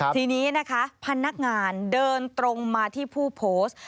ทีนี้นะคะพนักงานเดินตรงมาที่ผู้โพสต์